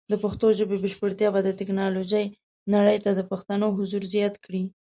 د پښتو ژبې بشپړتیا به د ټیکنالوجۍ نړۍ ته د پښتنو حضور زیات کړي.